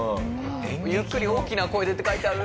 「ゆっくり大きな声で」って書いてある。